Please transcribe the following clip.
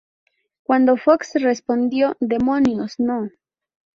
Cuando Fox respondió "¡Demonios, no!